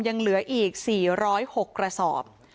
ยังเหลืออีก๔๐๖กระสอบ